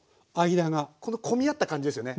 この混み合った感じですよね。